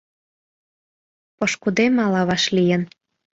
Пошкудем ала вашлийын